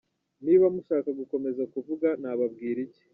Niba mushaka gukomeza kuvuga nababwira iki….